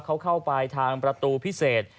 เขาเข้าไปทางประตูพิเศษ